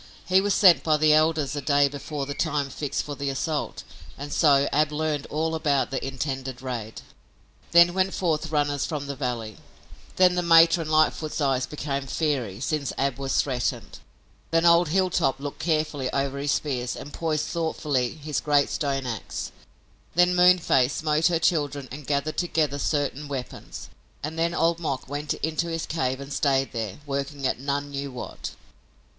He was sent by the elders a day before the time fixed for the assault, and so Ab learned all about the intended raid. Then went forth runners from the valley; then the matron Lightfoot's eyes became fiery, since Ab was threatened; then old Hilltop looked carefully over his spears, and poised thoughtfully his great stone ax; then Moonface smote her children and gathered together certain weapons, and then Old Mok went into his cave and stayed there, working at none knew what.